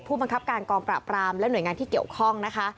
ผู้บังคับการกองปราบรามและหน่วยงานที่เกี่ยวข้องนะคะ